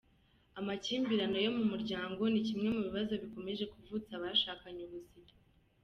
Amakimbirane yo mu muryango ni kimwe mu bibazo bikomeje kuvutsa abashakanye ubuzima.